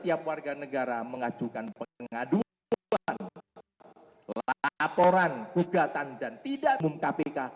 agar negara mengajukan pengaduan laporan gugatan dan tidak mengumum kpk